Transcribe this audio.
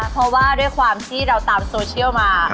เพราะว่าด้วยความที่เราตามโซเชียลมา